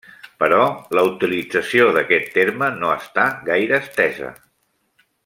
Però la utilització d'aquest terme no està gaire estesa.